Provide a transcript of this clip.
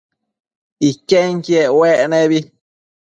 Iquenquiec uec nebi